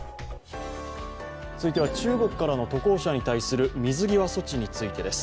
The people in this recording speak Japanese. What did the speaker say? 続いては中国からの渡航者に対する水際措置についてです。